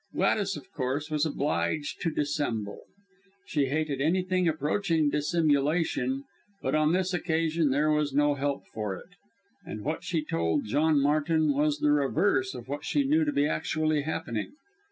Gladys, of course, was obliged to dissemble. She hated anything approaching dissimulation, but on this occasion there was no help for it, and what she told John Martin was the reverse of what she knew to be actually happening.